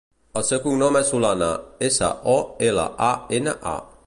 El cognom és Solana: essa, o, ela, a, ena, a.